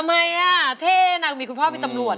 ทำไมอ่ะเท่นางมีคุณพ่อเป็นตำรวจ